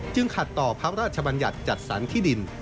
ขัดต่อพระราชบัญญัติจัดสรรที่ดิน